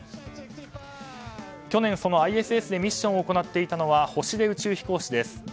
去年そのＩＳＳでミッションを行っていたのは星出宇宙飛行士です。